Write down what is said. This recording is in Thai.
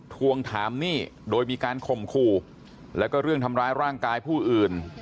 ทวงถามหนี้โดยมีการข่มขู่แล้วก็เรื่องทำร้ายร่างกายผู้อื่น